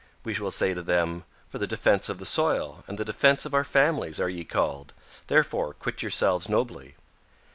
we will say to them, 'For the defense of the soil and the defense of our families are ye called, therefore quit yourselves nobly.'